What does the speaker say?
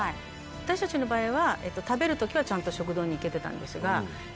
私たちの場合は食べる時はちゃんと食堂に行けてたんですが。